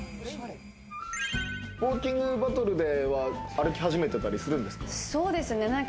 ウオーキングバトルでは歩き始めていたりするんですか？